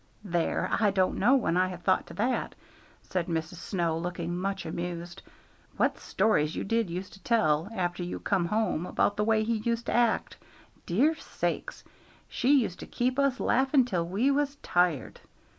"There! I don't know when I have thought to' that," said Mrs. Snow, looking much amused. "What stories you did use to tell, after you come home, about the way he used to act! Dear sakes! she used to keep us laughing till we was tired.